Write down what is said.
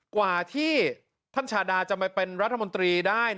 กว่าที่ท่านชาดาจะมาเป็นรัฐมนตรีได้